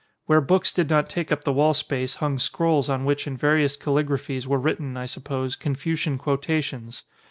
Where books did not take up the wall space hung scrolls on which in various callig raphies were written, I suppose, Confucian quo tations.